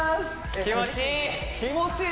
気持ちいい！